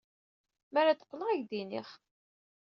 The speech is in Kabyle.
Mi ara d-qqleɣ, ad ak-d-iniɣ.